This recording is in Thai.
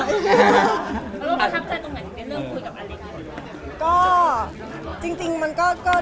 แล้วลูกประทับใจตรงไหนในเรื่องคุยกับนาฬิกา